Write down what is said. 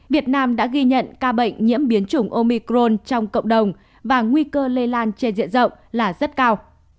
việt nam đã ghi nhận ca bệnh nhiễm biến chủng omicron trong cộng đồng và nguy cơ lây lan trên diện rộng là rất cao